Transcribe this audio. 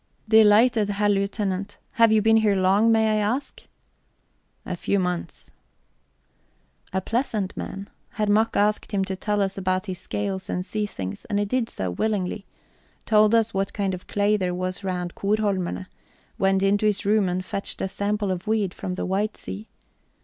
"Delighted, Herr Lieutenant. Have you been here long, may I ask?" "A few months." A pleasant man. Herr Mack asked him to tell us about his scales and sea things, and he did so willingly told us what kind of clay there was round Korholmerne went into his room and fetched a sample of weed from the White Sea.